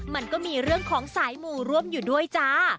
มันก็มีเรื่องของสายหมู่ร่วมอยู่ด้วยจ้า